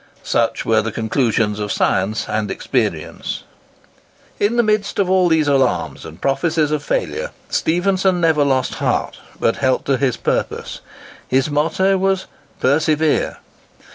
Such were the conclusions of science and experience. In the midst of all these alarms and prophecies of failure, Stephenson never lost heart, but held to his purpose. His motto was "Persevere!"